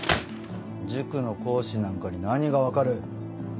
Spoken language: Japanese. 塾の講師なんかに何が分かる。